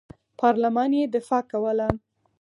پارلمان یې دفاع کوله.